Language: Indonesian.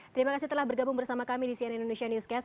terima kasih telah bergabung bersama kami di cnn indonesia newscast